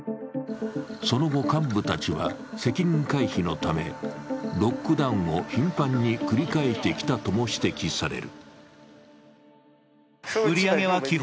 その後、幹部たちは責任回避のためロックダウンを頻繁に繰り返してきたとも指摘される。